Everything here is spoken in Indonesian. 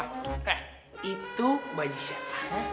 eh itu baju siapa